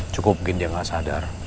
cukup bikin dia gak sadar